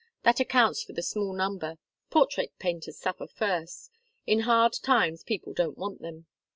That accounts for the small number. Portrait painters suffer first. In hard times people don't want them."